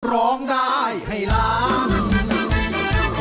ร้องได้ให้ล้าน